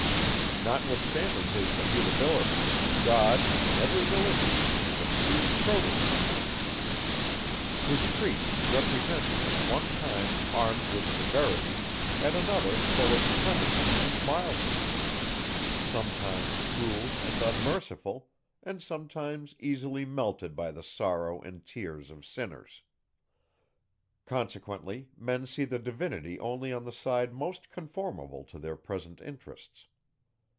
Notwithstanding his immutability, God, in every Religion, is a true Proteus. His priests represent him at one time armed with severity, at another full of clemency and mildness; sometimes cruel and unmerciful, and sometimes easily melted by the sorrow and tears of sinners. Consequently, men see the Divinity only on the side most conformable to their present interests.